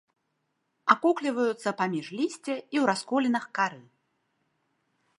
Акукліваюцца паміж лісця і ў расколінах кары.